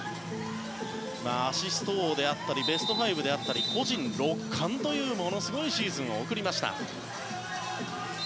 アシスト王であったりベスト５だったり個人６冠という、ものすごいシーズンを送りました。